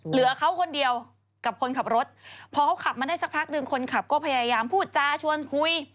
เหลือเขาคนเดียวกับคนขับรถพอเขาขับมาได้สักพักหนึ่งคนขับก็พยายามพูดจาชวนคุย